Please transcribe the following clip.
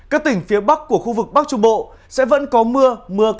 các tỉnh phía bắc của khu vực bắc trung bộ sẽ vẫn có mưa mưa